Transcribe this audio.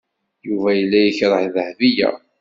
Yuba yella yekṛeh Dahbiya.